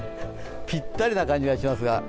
ぴったりな感じがしますが。